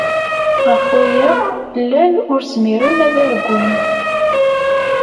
Ɣef waya, llan ur zmiren ad argun.